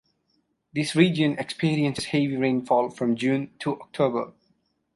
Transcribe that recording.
This region experiences heavy rainfall from June to October.